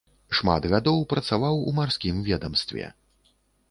Шмат гадоў працаваў у марскім ведамстве.